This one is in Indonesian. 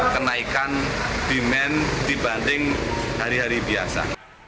kenaikan demand dibanding hari hari biasa